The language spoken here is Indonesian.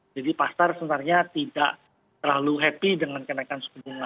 pasar sebenarnya tidak terlalu happy dengan kenaikan suku bunga